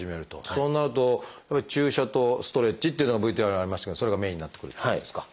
そうなると注射とストレッチっていうのがＶＴＲにありましたがそれがメインになってくるってことですか？